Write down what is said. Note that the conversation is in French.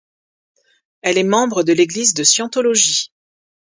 Elle est membre de l'église de Scientologie.